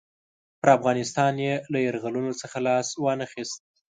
پر افغانستان یې له یرغلونو څخه لاس وانه خیست.